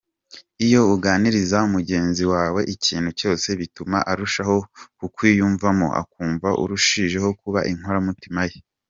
Iyo uganiriza mugenzi wawe ikintu cyose bituma arushaho kukwiyumvamo akumva urushijeho kuba inkoramutima ye.